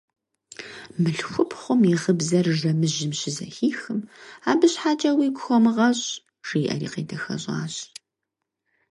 Мылъхупхъум и гъыбзэр жэмыжьым щызэхихым: – Абы щхьэкӀэ уигу хомыгъэщӀ, – жиӀэри къедэхэщӀащ.